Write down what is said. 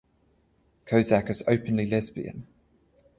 Kozak is openly lesbian.